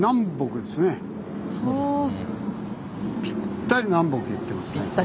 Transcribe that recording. ぴったり南北へ行ってますね。